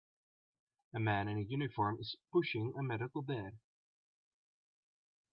A man in uniform is pushing a medical bed.